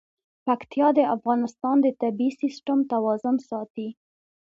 پکتیا د افغانستان د طبعي سیسټم توازن ساتي.